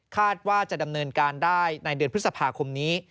ว่าจะดำเนินการได้ในเดือนพฤษภาคมนี้